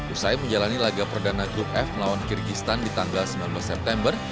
usai menjalani laga perdana grup f melawan kyrgyzstan di tanggal sembilan belas september